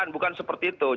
bukan seperti itu